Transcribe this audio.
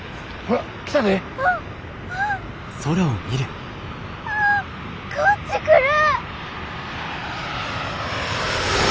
わあこっち来る！